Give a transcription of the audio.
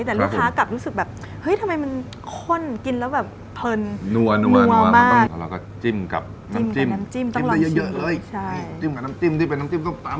แต่หรือว่ากินง่ายกว่าน่ะ